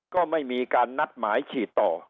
ก็ไม่มีการนัดหมายฉีดต่อ